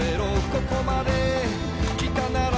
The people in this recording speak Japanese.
「ここまで来たなら」